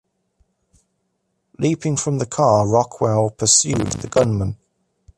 Leaping from the car, Rockwell pursued the gunman.